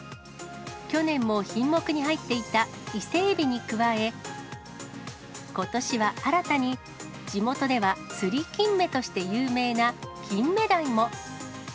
去年も品目に入っていた伊勢エビに加え、ことしは新たに地元ではつりきんめとして有名なキンメダイも。